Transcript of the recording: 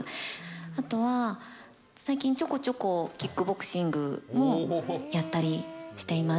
あとは最近ちょこちょこキックボクシングもやったりしています。